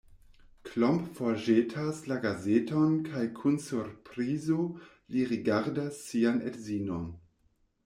Klomp forĵetas la gazeton kaj kun surprizo li rigardas sian edzinon.